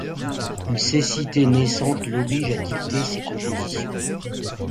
Une cécité naissante l'oblige à dicter ses compositions.